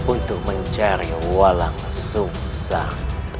untuk mencari walang suksan